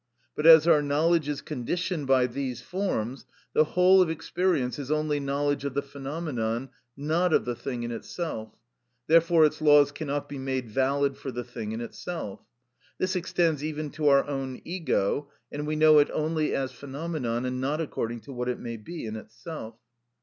But as our knowledge is conditioned by these forms, the whole of experience is only knowledge of the phenomenon, not of the thing in itself; therefore its laws cannot be made valid for the thing in itself. This extends even to our own ego, and we know it only as phenomenon, and not according to what it may be in itself."